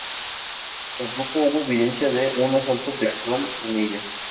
Tampoco hubo evidencia de un asalto sexual en ella.